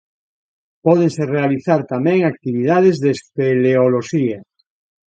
Pódense realizar tamén actividades de espeleoloxía.